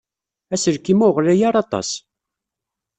Aselkim-a ur ɣlay ara aṭas.